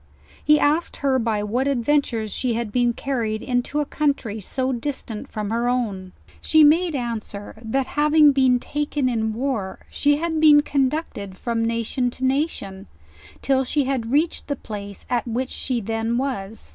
He asked her by what adventures she had been carried into a country so distant from her own. She made answer, that having been taken in war she had been conducted from nation to na. 164 JOURNAL OF tion, till she had reached the place at which she then was.